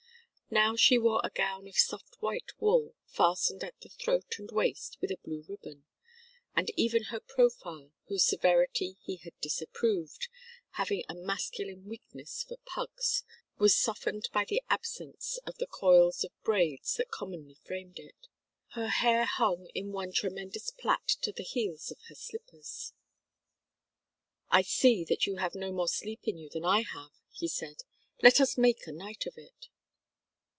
Now she wore a gown of soft white wool fastened at the throat and waist with a blue ribbon; and even her profile, whose severity he had disapproved, having a masculine weakness for pugs, was softened by the absence of the coils or braids that commonly framed it: her hair hung in one tremendous plait to the heels of her slippers. "I see that you have no more sleep in you than I have," he said. "Let us make a night of it."